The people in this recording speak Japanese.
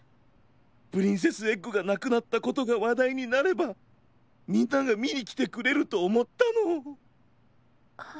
プリンセスエッグがなくなったことがわだいになればみんながみにきてくれるとおもったの。